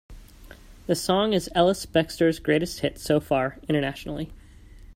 The song is Ellis-Bextor's greatest hit so far internationally.